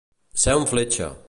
Ser una fletxa.